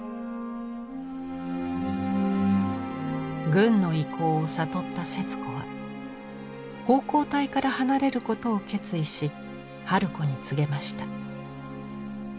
軍の意向を悟った節子は奉公隊から離れることを決意し春子に告げました。